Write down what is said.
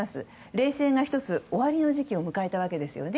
冷戦が１つ、終わりの時期を迎えたわけですね。